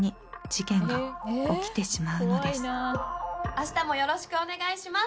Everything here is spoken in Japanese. あしたもよろしくお願いします。